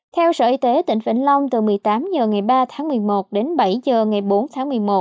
theo sở y tế tỉnh vĩnh long từ một mươi tám h ngày ba tháng một mươi một đến bảy h ngày bốn tháng một mươi một